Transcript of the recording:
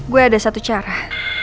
gw ada satu cara